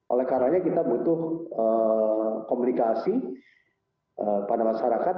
oleh karanya kita butuh komunikasi pada masyarakat